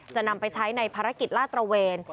จะนำไปใช้ในภารกิจลาดตระเวน